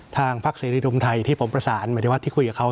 ทางพักเสรีรวมไทยที่ผมประสานหมายถึงว่าที่คุยกับเขา